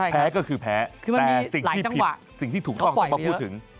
แพ้ก็คือแพ้แต่สิ่งที่ผิดสิ่งที่ถูกต้องต้องมาพูดถึง